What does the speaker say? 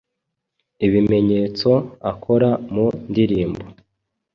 ibimenyetso akora mu ndirimbo